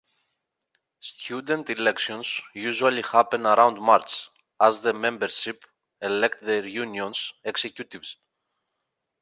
Student elections usually happen around March as the membership elect their unions' executives.